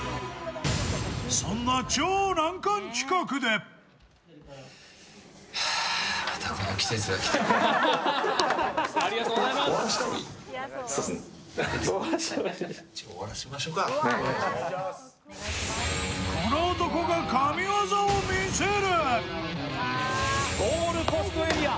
そんな超難関企画でこの男が神業を見せる。